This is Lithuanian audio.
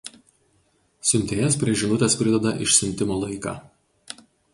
Siuntėjas prie žinutės prideda išsiuntimo laiką.